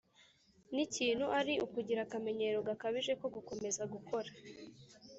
n ikintu ari ukugira akamenyero gakabije ko gukomeza gukora